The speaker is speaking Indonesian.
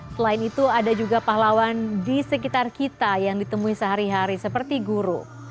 selain itu ada juga pahlawan di sekitar kita yang ditemui sehari hari seperti guru